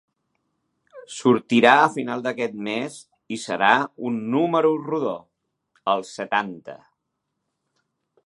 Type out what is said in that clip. Sortirà a finals d'aquest mes i serà un número rodó: el setanta.